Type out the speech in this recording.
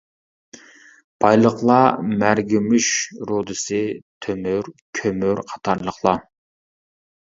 بايلىقلار مەرگىمۇش رۇدىسى، تۆمۈر، كۆمۈر قاتارلىقلار.